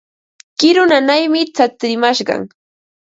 Kiru nanaymi tsarimashqan.